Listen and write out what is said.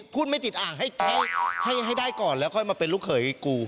ไม่ติดอ่างให้ได้ก่อนแล้วค่อยมาเป็นลูกเขยกู